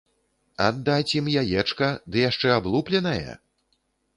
Аддаць ім яечка ды яшчэ аблупленае?